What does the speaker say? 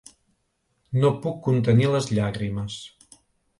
No puc contenir les llàgrimes.